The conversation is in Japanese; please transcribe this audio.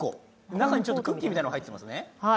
中にクッキーみたいなものが入っていますね。